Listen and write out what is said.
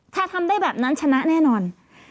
ถ้าทำได้แบบนั้นชนะแน่นอน